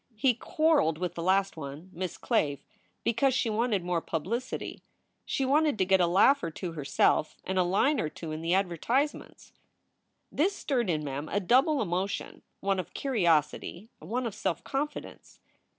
He quarreled with the last one, Miss Clave, because she wanted more publicity. She wanted to get a laugh or two herself and a line or two in the advertise ments." This stirred in Mem a double emotion one of curiosity, one of self confidence.